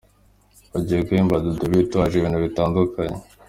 Bagiye guhemba Dudu bitwaje ibintu bitandukanye.